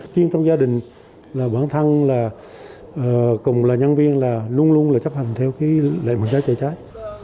chuyên trong gia đình là bản thân là cùng là nhân viên là luôn luôn là chấp hành theo lệnh phòng cháy chữa cháy